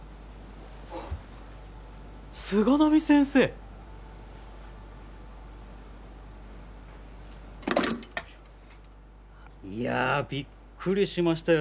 菅波先生。いやびっくりしましたよ